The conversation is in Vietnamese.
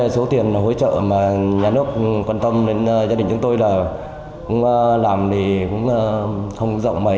số tiền hỗ trợ mà nhà nước quan tâm nên gia đình chúng tôi là cũng làm thì cũng không rộng mấy